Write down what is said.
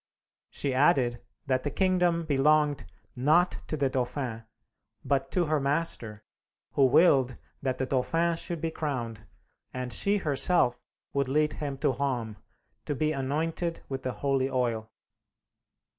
She added that the kingdom belonged, not to the Dauphin, but to her Master, who willed that the Dauphin should be crowned, and she herself would lead him to Reims, to be anointed with the holy oil.